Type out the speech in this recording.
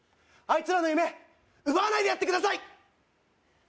あいつらの夢奪わないでやってください！